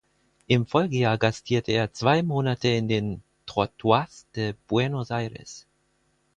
Im Folgejahr gastierte er zwei Monate in den "Trottoires de Buenos Aires".